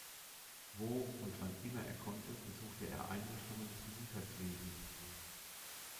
Wo und wann immer er konnte besuchte er Einrichtungen des Gesundheitswesens.